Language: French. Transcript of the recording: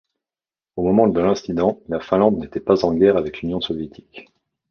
Au moment de l'incident, la Finlande n'était pas en guerre avec l'Union soviétique.